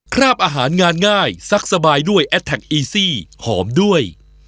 คราบอาหารงานง่ายซักสบายด้วยแอดแท็กอีซี่หอมด้วย